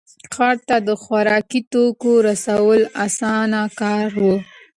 ښار ته د خوراکي توکو رسول اسانه کار و.